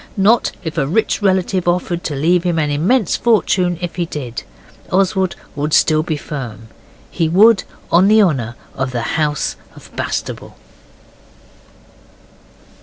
Not if a rich relative offered to leave him an immense fortune if he did. Oswald would still be firm. He would, on the honour of the House of Bastable.